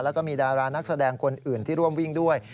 แล้วก็มีดารานักแสดงคนอื่นที่ร่วมวิ่งด้วย